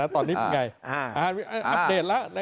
ตอนนี้มันยังไงอัพเดทแล้ว